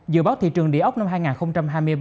dự báo thị trường đề ốc năm hai nghìn hai mươi ba